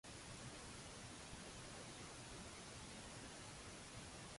Ġiet skansata bi żbrixx.